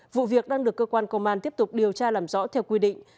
vụ việc đang được cơ quan công an tiếp tục điều tra làm rõ theo quy định